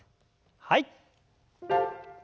はい。